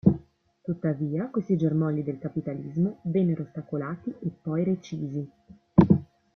Tuttavia questi "germogli del capitalismo" vennero ostacolati e poi recisi.